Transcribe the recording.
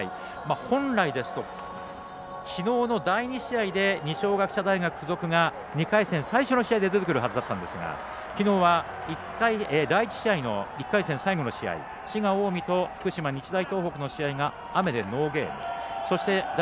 本来ですと、きのうの第２試合で二松学舎大付属が２回戦最初の試合で出てくるはずでしたがきのうは第１試合の１回戦最後の試合、滋賀、近江と福島、日大東北の試合が雨でノーゲーム。